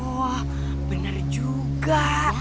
wah benar juga